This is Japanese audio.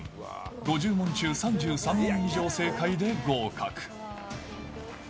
５０問中３３問以上、正解で合格。